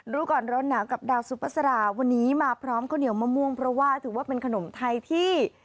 รู้ก่อนร้อนหนาวกับดาวซุปเปอร์สราวันนี้มาพร้อมข้าวเหนียวมะม่วงเพราะว่าถือว่าเป็นขนมไทยที่